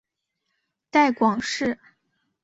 带广市